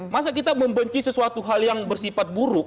masa kita membenci sesuatu hal yang bersifat buruk